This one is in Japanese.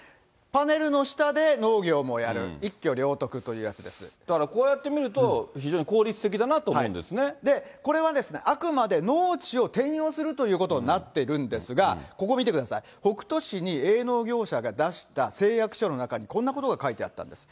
パネルの下で農業もやる、一挙両だからこうやって見ると、非これはですね、あくまで農地を転用するということになってるんですが、ここ見てください、北杜市に営農業者が出した誓約書の中に、こんなことが書いてあったんです。